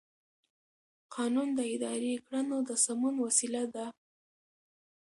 قانون د اداري کړنو د سمون وسیله ده.